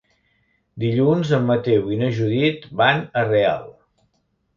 Dilluns en Mateu i na Judit van a Real.